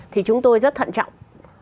thì chúng tôi rất thận trọng